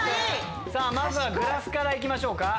まずグラスから行きましょうか。